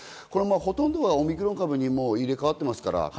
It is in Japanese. これはほとんどがオミクロン株に入れ替わっていますから。